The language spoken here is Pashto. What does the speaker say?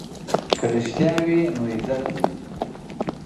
که رښتیا وي نو عزت وي.